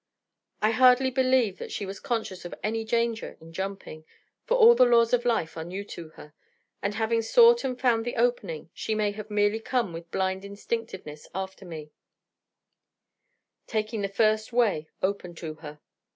I hardly believe that she was conscious of any danger in jumping, for all the laws of life are new to her, and, having sought and found the opening, she may have merely come with blind instinctiveness after me, taking the first way open to her.